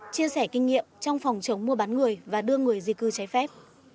chia sẻ kinh nghiệm trong phòng chống mua bán người và đưa người di cư trái phép